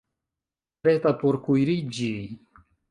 Preta por kuiriĝi